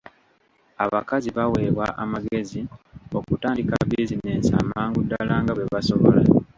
Abakazi baweebwa amagezi okutandika bizinensi amangu ddala nga bwe basobola.